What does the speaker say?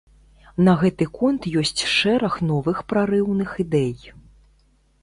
На гэты конт ёсць шэраг новых прарыўных ідэй.